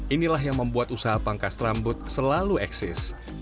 inilah yang membuat usaha pangkas rambut selalu eksis